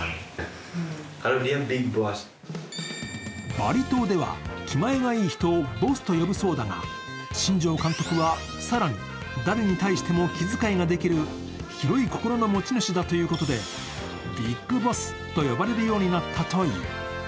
バリ島では気前がいい人をボスと呼ぶそうだが、新庄監督は更に誰に対しても気遣いができる広い心の持ち主だということでビッグボスと呼ばれるようになったという。